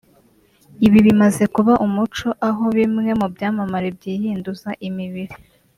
Ibi bimaze kuba umuco aho bimwe mu byamamare byihinduza imibiri